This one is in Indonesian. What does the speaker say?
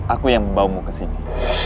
aku yang membawamu kesini